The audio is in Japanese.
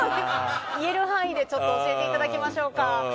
言える範囲で教えていただきましょうか。